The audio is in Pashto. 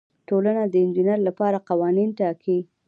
ټولنه د انجینر لپاره قوانین ټاکي.